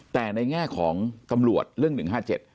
แต่ในแง่ของตำรวจเรื่อง๑๕๗